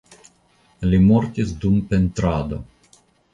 Li mortis dum pentrado.